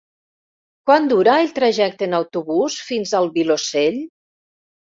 Quant dura el trajecte en autobús fins al Vilosell?